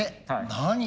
何。